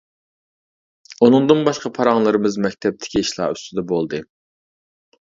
ئۇنىڭدىن باشقا پاراڭلىرىمىز مەكتەپتىكى ئىشلار ئۈستىدە بولدى.